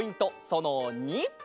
その２！